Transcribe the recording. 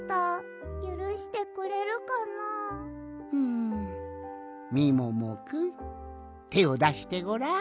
んみももくんてをだしてごらん。